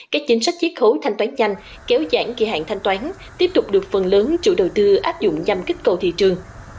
các chính sách chiếc khấu thanh toán nhanh kéo dãn kỳ hạn thanh toán tiếp tục được phần lớn chủ đầu tư áp dụng nhằm kích cầu thị trường